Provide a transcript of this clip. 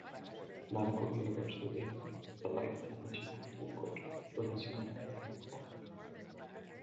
Medical University with a "Lifetime Achievement Award" for his humanitarian work.